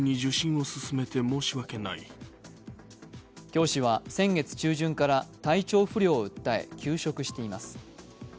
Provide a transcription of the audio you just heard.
教師は先月中旬から体調不良を訴え、休職しています。